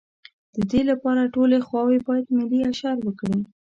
د دې لپاره ټولې خواوې باید ملي اشر وکړي.